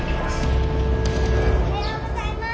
おはようございます。